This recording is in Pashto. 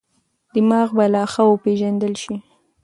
دماغ به لا ښه وپېژندل شي.